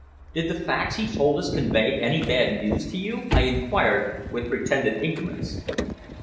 Did the facts he told us convey any bad news to you?" I inquired with pretended ignorance.